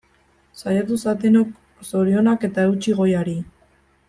Saiatu zatenok, zorionak eta eutsi goiari!